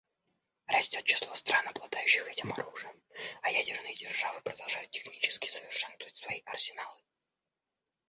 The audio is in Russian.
Растет число стран, обладающих этим оружием, а ядерные державы продолжают технически совершенствовать свои арсеналы.